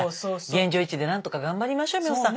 現状維持で何とか頑張りましょう美穂さん。